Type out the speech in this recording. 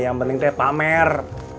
yang penting tepa mer